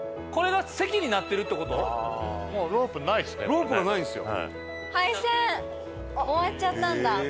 ロープがないんですよ。